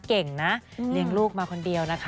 เก่งนะเลี้ยงลูกมาคนเดียวนะคะ